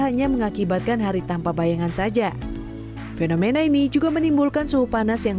hanya mengakibatkan hari tanpa bayangan saja fenomena ini juga menimbulkan suhu panas yang